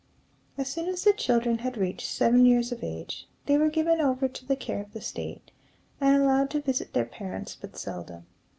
As soon as the children had reached seven years of age, they were given over to the care of the state, and allowed to visit their parents but seldom.